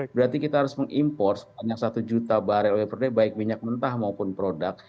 berarti kita harus mengimpor sebanyak satu juta barel oil per day baik minyak mentah maupun produk